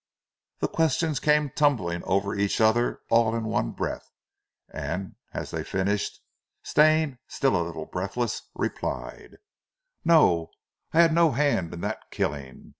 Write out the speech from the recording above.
The questions came tumbling over each other all in one breath, and as they finished, Stane, still a little breathless, replied: "No, I had no hand in that killing.